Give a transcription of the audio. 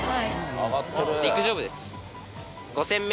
陸上部です。